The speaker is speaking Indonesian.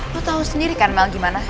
lo tau sendiri kan mel gimana